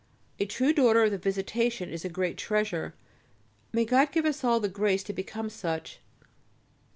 A true daughter of the Visitation is a great treasure may God give us all the grace to become such.